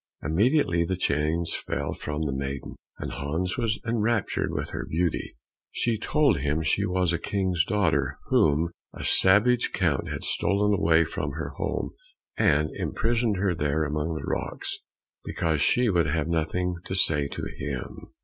Immediately the chains fell from the maiden, and Hans was enraptured with her beauty. She told him she was a King's daughter whom a savage count had stolen away from her home, and imprisoned there among the rocks, because she would have nothing to say to him.